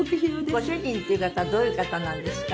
ご主人っていう方はどういう方なんですか？